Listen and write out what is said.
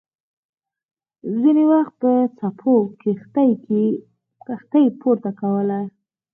ځینې وخت به څپو کښتۍ پورته کوله.